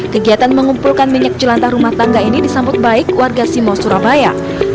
kegiatan mengumpulkan minyak jelantah rumah tangga ini disambut baik warga simo surabaya